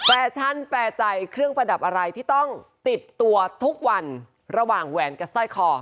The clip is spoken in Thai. แฟชั่นแฟร์ใจเครื่องประดับอะไรที่ต้องติดตัวทุกวันระหว่างแหวนกับสร้อยคอ